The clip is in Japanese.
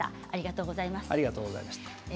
ありがとうございます。